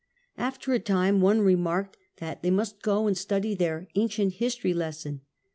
After a time, one remarked that they must go and study their " ancient history lesson."